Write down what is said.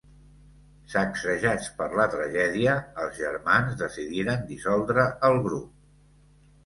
Sacsejats per la tragèdia, els germans decidiren dissoldre el grup.